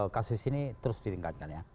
kasus ini terus ditingkatkan ya